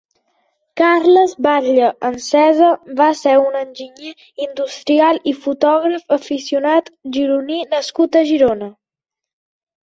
Carles Batlle Ensesa va ser un enginyer industrial i fotògraf aficionat gironí nascut a Girona.